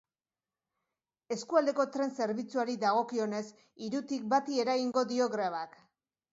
Eskualdeko tren zerbitzuari dagokionez, hirutik bati eragingo dio grebak.